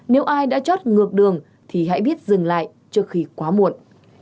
nếu ai đã chót ngược đường thì hãy biết dừng lại trước khi quá muộn